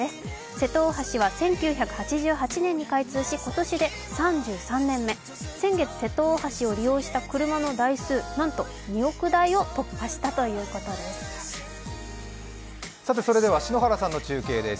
瀬戸大橋は１９８８年に開通し今年で３３年目、先月、瀬戸大橋を利用した車の台数なんと２億台を突破したということです。